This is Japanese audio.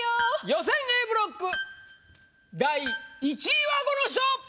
予選Ａブロック第１位はこの人！